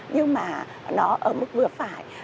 nhưng mà nó ở mức vừa phải